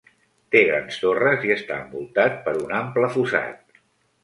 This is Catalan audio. Té tres grans torres i està envoltat per un ample fossat.